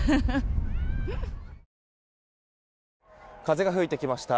風が吹いてきました。